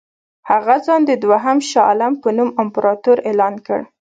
هغه ځان د دوهم شاه عالم په نوم امپراطور اعلان کړ.